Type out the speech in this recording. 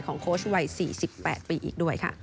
โค้ชวัย๔๘ปีอีกด้วยค่ะ